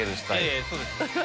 ええそうです。